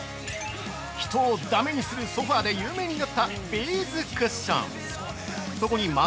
「人をダメにするソファ」で有名になったビーズクッション。